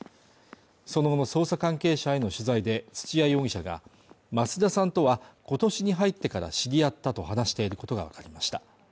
その後の捜査関係者への取材で土屋容疑者が増田さんとは今年に入ってから知り合ったと話していることが分かりました